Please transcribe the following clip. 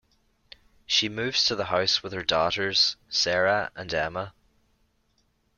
She moves to the house with her daughters, Sarah and Emma.